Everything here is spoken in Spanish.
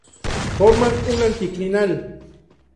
Forman un anticlinal.